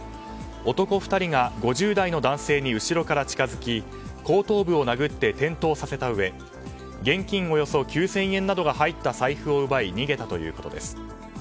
男２人が５０代の男性に後ろから近づき後頭部を殴って転倒させたうえ現金およそ９０００円などが入った財布を奪い逃げたということです。